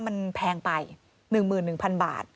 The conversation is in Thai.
มันแพงไป๑๑๐๐๐บาท